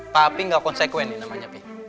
papi gak konsekuen nih namanya pi